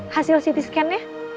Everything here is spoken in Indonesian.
hasil ct scan nya